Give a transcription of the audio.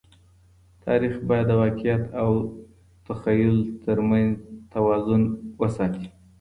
تاریخ باید د واقعیت او تخیل تر منځ توازن وساتي.